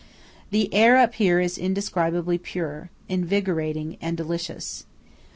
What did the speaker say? The air up here is indescribably pure, invigorating, and delicious.